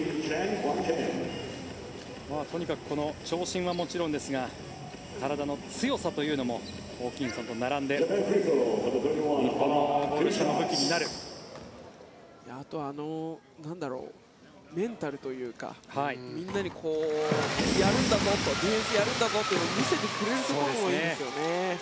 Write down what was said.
とにかくこの長身はもちろんですが体の強さというのもホーキンソンと並んであとはメンタルというかみんなにディフェンスやるんだぞと見せてくれるところもいいですよね。